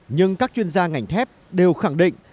nhưng các chuyên gia ngành thép đều khẳng định